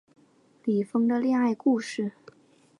李锋的恋爱故事